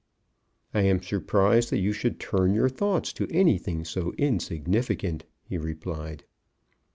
"I am surprised that you should turn your thoughts to anything so insignificant," he replied.